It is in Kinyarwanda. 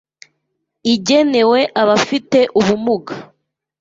igenewe abafite ubumuga